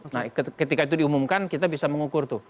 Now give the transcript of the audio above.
nah ketika itu diumumkan kita bisa mengukur tuh